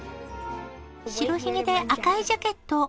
白ひげで赤いジャケット。